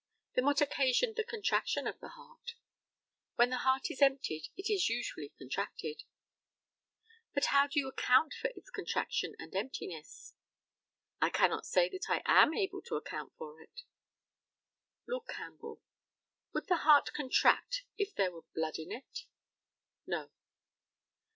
Then what occasioned the contraction of the heart? When the heart is emptied it is usually contracted. But how do you account for its contraction and emptiness? I cannot say that I am able to account for it. Lord CAMPBELL: Would the heart contract if there were blood in it? No.